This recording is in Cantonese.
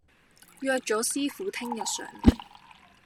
約咗師傅聽日上嚟